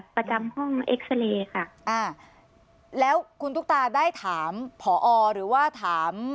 ประจำห้องเอ็กซาเรย์ค่ะอ่าแล้วคุณตุ๊กตาได้ถามผอหรือว่าถาม